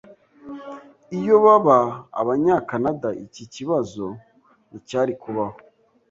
Iyo baba Abanyakanada, iki kibazo nticyari kubaho.